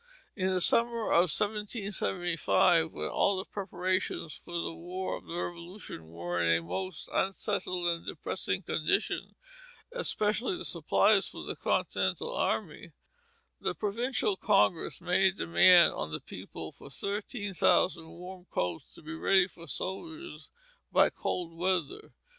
In the summer of 1775, when all the preparations for the War of the Revolution were in a most unsettled and depressing condition, especially the supplies for the Continental army, the Provincial Congress made a demand on the people for thirteen thousand warm coats to be ready for the soldiers by cold weather.